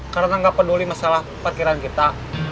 karena gak peduli masalah parkiran kita